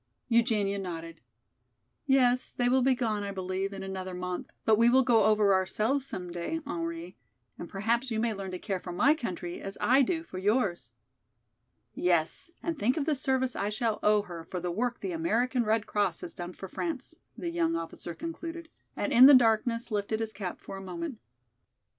Eugenia nodded. "Yes, they will be gone, I believe, in another month. But we will go over ourselves some day, Henri, and perhaps you may learn to care for my country as I do for yours." "Yes, and think of the service I shall owe her for the work the American Red Cross has done for France!" the young officer concluded, and in the darkness lifted his cap for a moment.